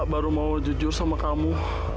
baru mau jujur sama kamu